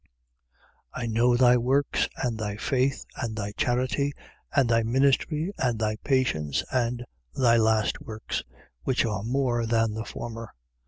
2:19. I know thy works and thy faith and thy charity and thy ministry and thy patience and thy last works, which are more than the former.